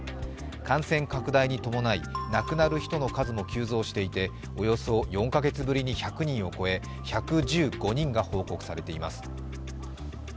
感染拡大に伴い、亡くなる人の数も急増していておよそ４カ月ぶりに１００人を超え、１１５人が報告されています。